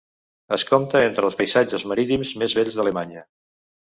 Es compta entre els paisatges marítims més bells d'Alemanya.